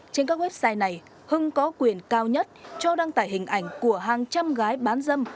trên các website này hưng có quyền cao nhất cho đăng tải hình ảnh của hàng trăm gái bán dâm